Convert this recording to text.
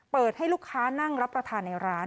เปิดให้ลูกค้านั่งรับประทานในร้าน